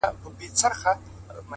ته یې په مسجد او درمسال کي کړې بدل؛